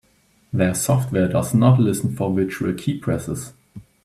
Their software does not listen for virtual keypresses.